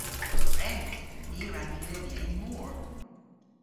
Gwren! Ni a wra neuvya y'n mor.